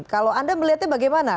kalau anda melihatnya bagaimana